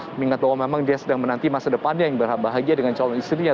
mengingat bahwa memang dia sedang menanti masa depannya yang bahagia dengan calon istrinya